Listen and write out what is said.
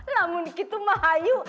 namun gitu mah ayu